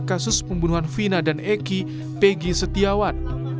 kasus pembunuhan fina dan eki pegi dan ibnuk